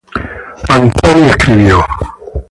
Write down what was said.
Barzani escribió.